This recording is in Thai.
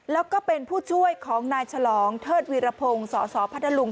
แล้วก็เป็นผู้ช่วยของนายฉลองเทิดวีรพงศ์สสพัทธลุง